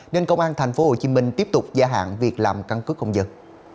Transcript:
nên công an tp hcm tiếp tục gia hạn việc làm căn cứ công dân